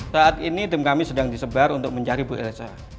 saat ini tim kami sedang disebar untuk mencari bu elsa